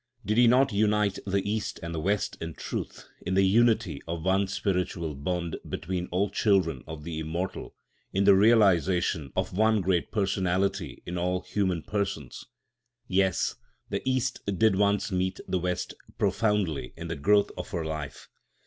Did he not unite the East and the West in truth, in the unity of one spiritual bond between all children of the Immortal, in the realisation of one great Personality in all human persons? Yes, the East did once meet the West profoundly in the growth of her life.